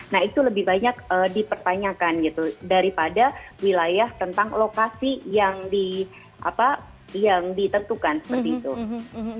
nah itu lebih banyak dipertanyakan gitu daripada wilayah tentang lokasi yang ditentukan seperti itu